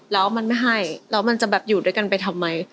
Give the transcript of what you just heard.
แล้วมันไม่ให้แล้วมันจะแบบอยู่ด้วยกันไปทำไม